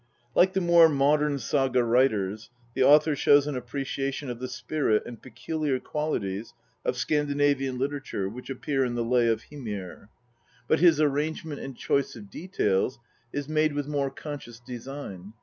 Like the more modern Saga writers, the author shows an appreciation of the spirit and peculiar qualities ol Scandinavian literature which appear in the Lay of Hymir. But his INTRODUCTION. ;iri; nigement and choice of details is made with more conscious design.